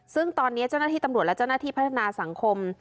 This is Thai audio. ซึ่งตอนนี้เจ้าหน้าที่ตำรวจและเจ้าหน้าที่พัฒนาสังคม